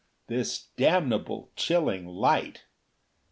This damnable, chilling light!